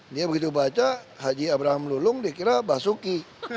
dia begitu baca haji abraham lulung dikira basuki